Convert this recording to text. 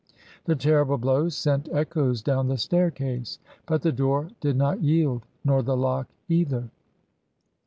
The terrible blows sent echoes down the staircase, but the door did not yield, nor the lock either.